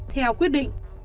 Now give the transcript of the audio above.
theo quyết định